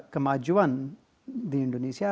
kemajuan di indonesia